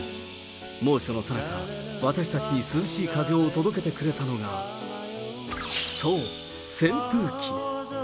猛暑のさなか、私たちに涼しい風を届けてくれたのが、そう、扇風機。